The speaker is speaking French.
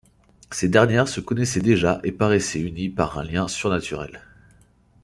Ces dernières se connaissaient déjà et paraissent unies par un lien surnaturel.